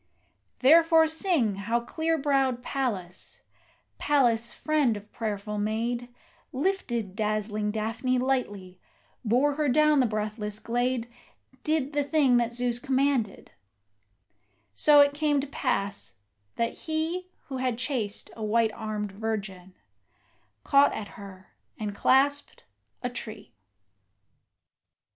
Therefore sing how clear browed Pallas Pallas, friend of prayerful maid, Lifted dazzling Daphne lightly, bore her down the breathless glade, Did the thing that Zeus commanded: so it came to pass that he Who had chased a white armed virgin, caught at her, and clasped a tree.